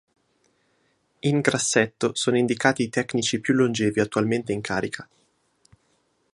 In grassetto sono indicati i tecnici più longevi attualmente in carica.